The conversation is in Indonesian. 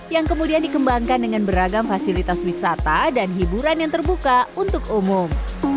yang kemudian dikembangkan dengan beragam fasilitas wisata dan hiburan yang terbuka untuk umum